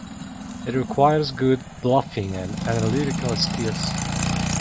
It requires good bluffing and analytical skills.